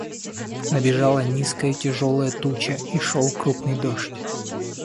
Набежала низкая, тяжелая туча, и шел крупный дождь.